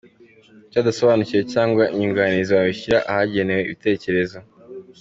Icyo udasobanukiwe cyangwa inyunganizi wabishyira ahagenewe ibitekerezo.